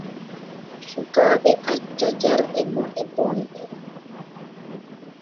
Sukaaɓe acca jarɗe moɗe bonɗe.